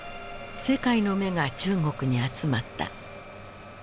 世界の目が中国に集まった。